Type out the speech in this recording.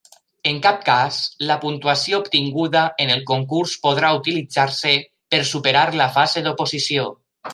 En cap cas la puntuació obtinguda en el concurs podrà utilitzar-se per superar la fase d'oposició.